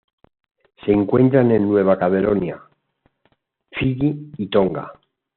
Se encuentran en Nueva Caledonia, Fiyi y Tonga.